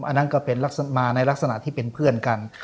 อันนั้นก็มาในลักษณะที่เป็นเพื่อนกัน